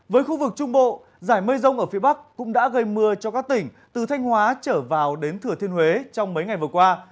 với khu vực trung bộ giải mây rông ở phía bắc cũng đã gây mưa cho các tỉnh từ thanh hóa trở vào đến thừa thiên huế trong mấy ngày vừa qua